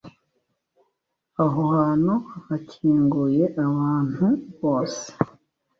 Aho hantu harakinguye abantu bose.